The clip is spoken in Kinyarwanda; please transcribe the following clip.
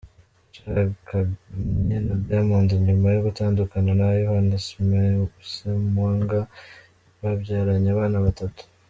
Yashakanye na Diamond nyuma yo gutandukana na Ivan Ssemwanga babyaranye abana batatu.